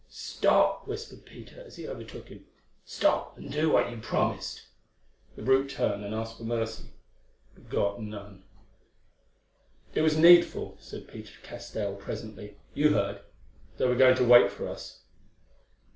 "Stop!" whispered Peter, as he overtook him—"stop, and do what you promised." The brute turned, and asked for mercy, but got none. "It was needful," said Peter to Castell presently; "you heard—they were going to wait for us."